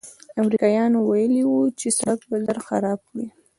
امریکایانو ویلي و چې سړک ژر خراب کړي.